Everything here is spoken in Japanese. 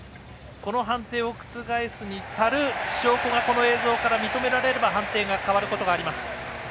この判定を覆すにたる証拠がこの映像から認められれば判定が変わることがあります。